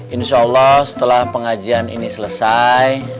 insyaallah setelah pengajian ini selesai